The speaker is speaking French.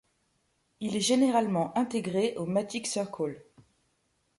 Il est généralement intégré au Magic Circle.